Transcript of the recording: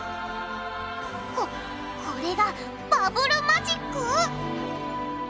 ここれがバブルマジック！？